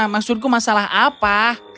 maksudku masalah apa